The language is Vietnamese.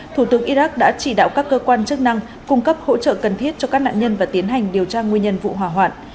thủ tướng iraq đã chỉ đạo các cơ quan chức năng cung cấp hỗ trợ cần thiết cho các nạn nhân và tiến hành điều tra nguyên nhân vụ hỏa hoạn